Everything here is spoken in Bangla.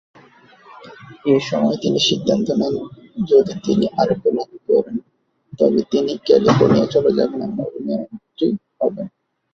এই সময়ে তিনি সিদ্ধান্ত নেন যদি তিনি আরোগ্য লাভ করেন, তবে তিনি ক্যালিফোর্নিয়া চলে যাবেন এবং অভিনেত্রী হবেন।